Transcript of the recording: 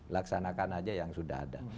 laksanakan aja yang sudah ada